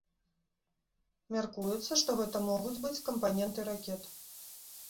Мяркуецца, што гэта могуць быць кампаненты ракет.